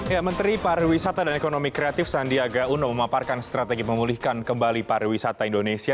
ya menteri pariwisata dan ekonomi kreatif sandiaga uno memaparkan strategi memulihkan kembali pariwisata indonesia